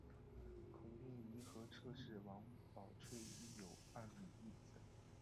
孔令贻和侧室王宝翠育有二女一子。